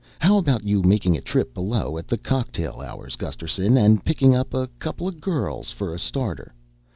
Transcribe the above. How about you making a trip below at the cocktail hours, Gusterson, and picking up a couple of girls for a starter?